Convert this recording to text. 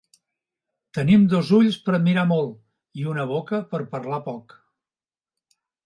Tenim dos ulls per mirar molt i una boca per parlar poc.